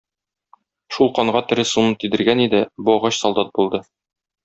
Шул канга тере суны тидергән иде, бу агач солдат булды.